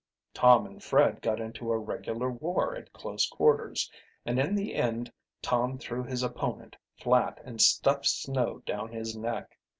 Tom and Fred got into a regular war at close quarters, and in the end Tom threw his opponent flat and stuffed snow down his neck.